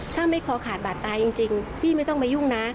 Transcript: ถ้าไม่คอขาดบาดตายจริงพี่ไม่ต้องมายุ่งนะ